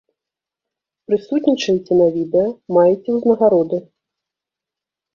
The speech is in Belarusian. Прысутнічаеце на відэа, маеце ўзнагароды.